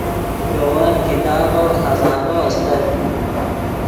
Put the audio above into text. لے ون کتابف خزانو استت